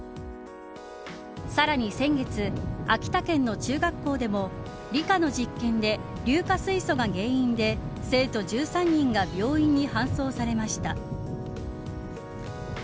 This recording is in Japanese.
さらに先月、秋田県の中学校でも理科の実験で硫化水素が原因で生徒１３人が病院に搬送されました。